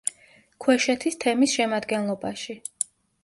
ქვეშეთის თემის შემადგენლობაში.